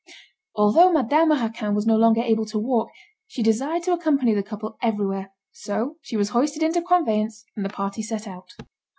Although Madame Raquin was no longer able to walk, she desired to accompany the couple everywhere, so she was hoisted into a conveyance and the party set out.